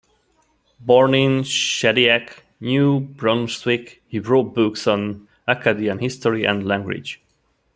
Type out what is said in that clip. Born in Shediac, New Brunswick, he wrote books on Acadian history and language.